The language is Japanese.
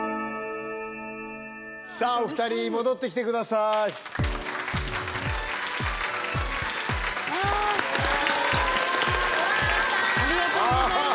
さあ、お２人、戻ってきてくありがとうございます。